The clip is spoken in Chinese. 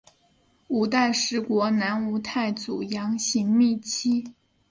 五代十国南吴太祖杨行密妻。